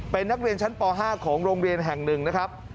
เป็นนักเรียนชั้นป๕ของโรงเรียนแห่งหนึ่งนะครับ